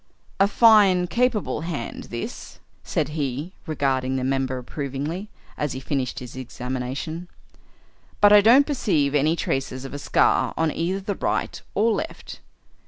"A fine, capable hand, this," said he, regarding the member approvingly, as he finished his examination, "but I don't perceive any trace of a scar on either the right or left.